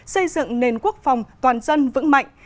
xây dựng nền quốc phòng toàn dân vững mạnh